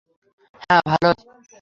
হ্যাঁ, ভালোই।